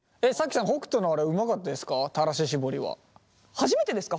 初めてですか？